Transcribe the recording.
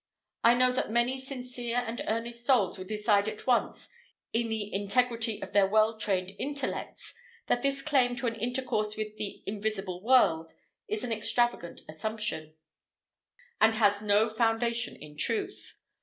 I know that many sincere and earnest souls will decide at once, in the integrity of their well trained intellects, that this claim to an intercourse with the invisible world is an extravagant assumption, and has no foundation in truth.